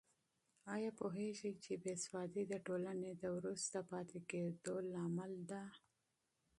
آیا پوهېږې چې بې سوادي د ټولنې د وروسته پاتې کېدو لامل ده؟